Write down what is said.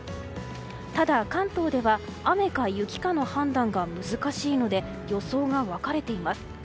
ただ、関東では雨か雪かの判断が難しいので予想が分かれています。